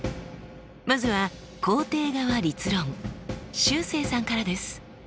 まずは肯定側立論しゅうせいさんからです。